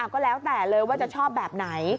ก็แล้วแต่เลยว่าจะชอบแบบไหน